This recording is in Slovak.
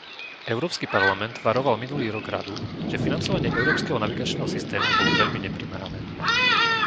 Európsky parlament varoval minulý rok Radu, že financovanie európskeho navigačného systému bolo veľmi neprimerané.